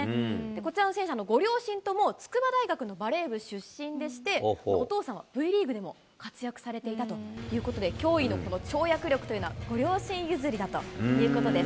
こちらの選手、ご両親とも筑波大学のバレー部出身でして、お父さんはＶリーグでも活躍されていたということで、驚異のこの跳躍力というのは、ご両親譲りだということです。